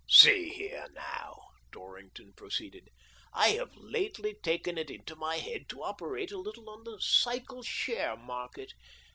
"See here, now," Dorrington proceeded. "I have lately taken it into my head to operate a little on the cycle share market.